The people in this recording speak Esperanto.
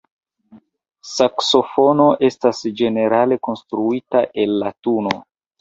Saksofono estas ĝenerale konstruita el latuno.